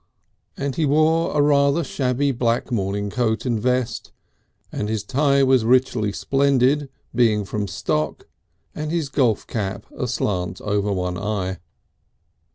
And he wore a rather shabby black morning coat and vest, and his tie was richly splendid, being from stock, and his golf cap aslant over one eye.